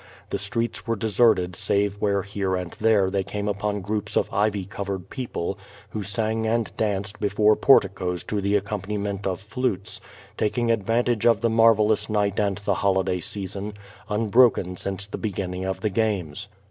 The streets were de serted save where here and there they came upon groups of ivy covered people, who sang and danced before porticos to the accompaniment of flutes, taking advantage of the marvel lous night and the holiday season, unbroken since the begin ning of the games.